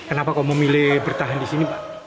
kenapa kok memilih bertahan di sini